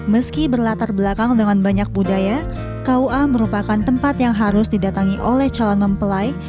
meski berlatar belakang dengan banyak budaya kua merupakan tempat yang harus didatangi oleh calon mempelai